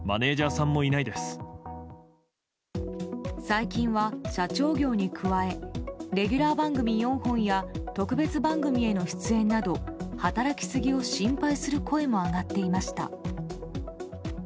最近は社長業に加えレギュラー番組４本や特別番組への出演など働きすぎを心配する声も上がっていました。